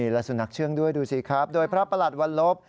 และสุนัขเชื่องด้วยดูสิครับโดยพระประหลัดวันลบ